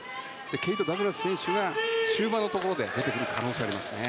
ケイト・ダグラス選手が終盤のところで出てくる可能性もありますね。